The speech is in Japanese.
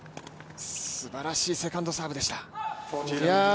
すばらしいセカンドサーブでした。